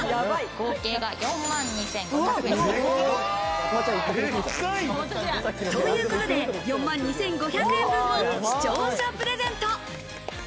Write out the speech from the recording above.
合計が４万２５００円。ということで、４万２５００円分を視聴者プレゼント。